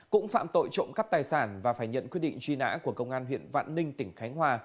cũng phạm tội trộm cắp tài sản và phải nhận quyết định truy nã của công an huyện vạn ninh tỉnh khánh hòa